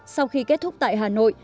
sau khi kết thúc tại hà nội